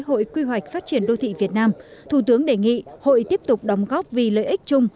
hội quy hoạch phát triển đô thị việt nam thủ tướng đề nghị hội tiếp tục đóng góp vì lợi ích chung